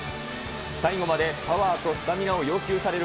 最後までパワーとスタミナを要求される